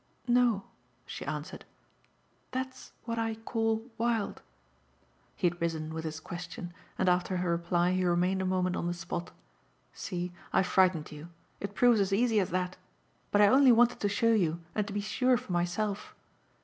"No," she answered: "that's what I call wild." He had risen with his question and after her reply he remained a moment on the spot. "See I've frightened you. It proves as easy as that. But I only wanted to show you and to be sure for myself.